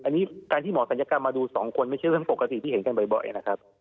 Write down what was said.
อันนี้การที่หมอศัลยกรรมมาดูสองคนไม่ใช่เรื่องปกติที่เห็นกันบ่อยนะครับ